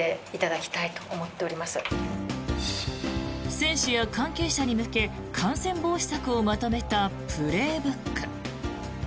選手や関係者に向け感染防止策をまとめた「プレーブック」。